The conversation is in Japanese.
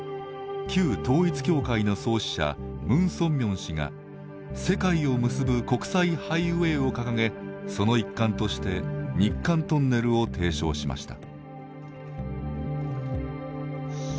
旧統一教会の創始者ムン・ソンミョン氏が世界を結ぶ国際ハイウェイを掲げその一環として日韓トンネルを提唱しました。